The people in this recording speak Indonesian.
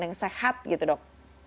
yang sehat gitu dok